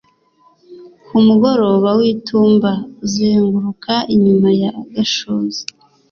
Ku mugoroba witumba uzenguruka inyuma ya gashouse